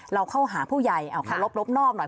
เราเข้าหาผู้ใหญ่ลบนอบหน่อย